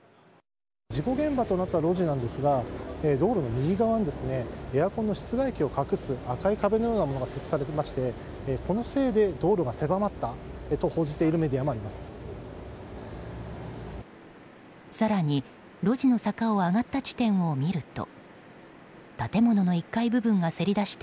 事故現場となった路地なんですが道路の右側にエアコンの室外機を隠す赤い壁のようなものが設置されていまして、このせいで道路が狭まったと報じているメディアもあります。